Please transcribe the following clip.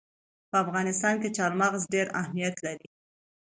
په افغانستان کې چار مغز ډېر اهمیت لري.